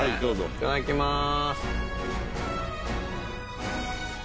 いただきます。